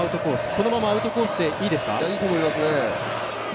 このままアウトコースでいいと思いますね。